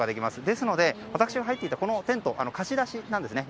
ですので、私が入っていたテントは貸し出しなんですね。